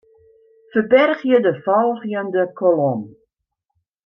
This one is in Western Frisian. Ferbergje de folgjende kolom.